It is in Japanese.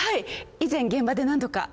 以前現場で何度か。